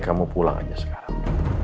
kamu pulang aja sekarang